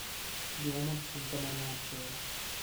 Duomo di Santa Maria Maggiore